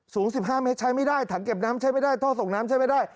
สูง๑๕เมตรใช้ไม่ได้ถังเก็บน้ำใช้ไม่ได้ท่อส่งน้ำใช้ไม่ได้